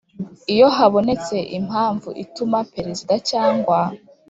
Iyo habonetse impamvu ituma Perezida cyangwa